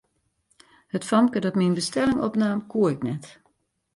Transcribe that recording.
It famke dat myn bestelling opnaam, koe ik net.